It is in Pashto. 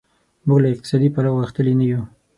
موږ له اقتصادي پلوه غښتلي نه یو.